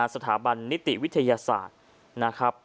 สถาบันนิติวิทยาศาสตร์